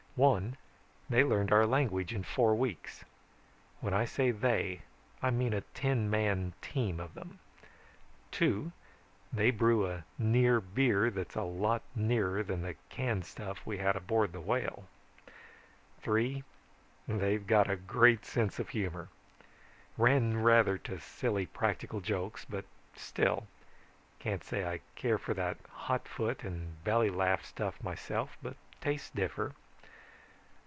"One, they learned our language in four weeks. When I say they, I mean a ten man team of them. "Two, they brew a near beer that's a lot nearer than the canned stuff we had aboard the Whale. "Three, they've a great sense of humor. Ran rather to silly practical jokes, but still. Can't say I care for that hot foot and belly laugh stuff myself, but tastes differ.